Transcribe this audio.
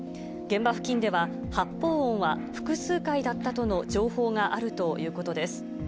現場付近では、発砲音は複数回だったとの情報があるということです。